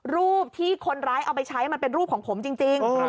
รูปที่คนร้ายเอาไปใช้มันเป็นรูปของผมจริง